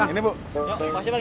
yuk makasih bang